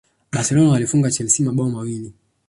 barcelona walifunga chelsea mabao mawili